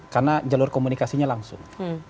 karena jalur komunikasinya langsung